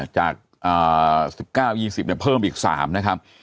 จาก๑๙๒๐เพิ่มอีก๓นะครับ